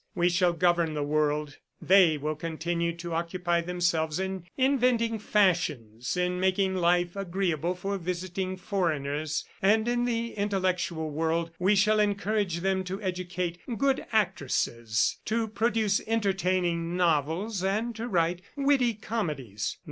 We shall govern the world; they will continue to occupy themselves in inventing fashions, in making life agreeable for visiting foreigners; and in the intellectual world, we shall encourage them to educate good actresses, to produce entertaining novels and to write witty comedies.